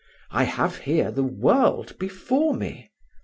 I have here the world before me.